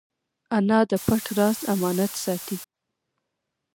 انا د پټ راز امانت ساتي